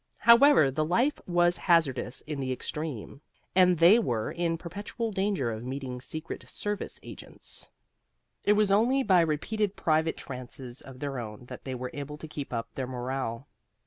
However, the life was hazardous in the extreme, and they were in perpetual danger of meeting secret service agents. It was only by repeated private trances of their own that they were able to keep up their morale.